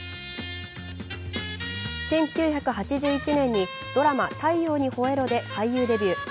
１９８１年にドラマ「太陽にほえろ！」で俳優デビュー。